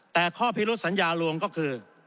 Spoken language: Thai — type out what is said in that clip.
แต่ข้อพิรุษสัญญาลวงก็คือ